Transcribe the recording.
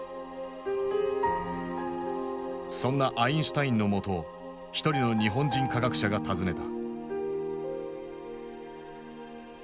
そんなアインシュタインの元を一人の日本人科学者が訪ねた。